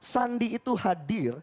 sandi itu hadir